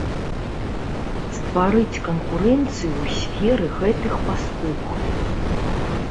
Стварыць канкурэнцыю ў сферы гэтых паслуг.